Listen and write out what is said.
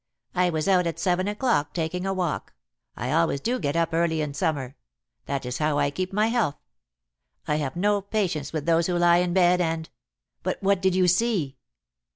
"I was out at seven o'clock taking a walk. I always do get up early in summer. That is how I keep my health. I have no patience with those who lie in bed, and " "But what did you see?"